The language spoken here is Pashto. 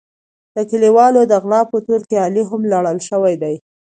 د کلیوالو د غلا په تور کې علي هم لړل شوی دی.